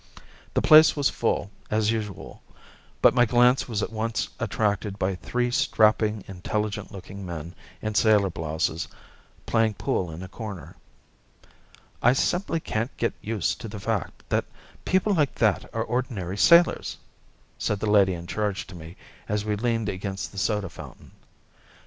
The place was full, as usual, but my glance was at once attracted by three strapping, intelligent looking men in sailor blouses playing pool in a corner. "I simply can't get used to the fact that people like that are ordinary sailors," said the lady in charge to me as we leaned against the soda fountain.